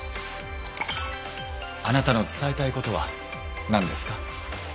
あなたの伝えたいことは何ですか？